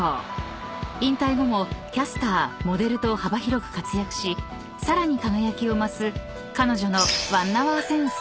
［引退後もキャスターモデルと幅広く活躍しさらに輝きを増す彼女の］